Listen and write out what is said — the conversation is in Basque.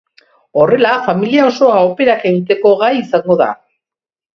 Horrela familia osoa operak egiteko gai izango da.